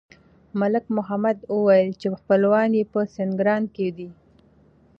ملک محمد وویل چې خپلوان یې په سینګران کې دي.